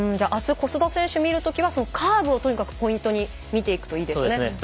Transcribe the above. あす小須田選手を見るときにはカーブをとにかくポイントに見ていくといいですね。